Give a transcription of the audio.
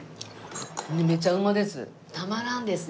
めちゃうまです。